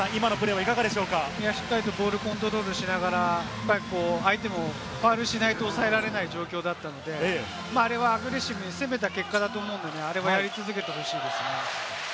しっかりとボールコントロールしながら、相手もファウルしないと抑えられない状況だったので、あれはアグレッシブに攻めた結果だと思うので、やり続けてほしい。